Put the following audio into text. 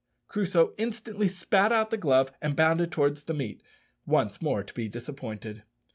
Crusoe instantly spat out the glove and bounded towards the meat once more to be disappointed.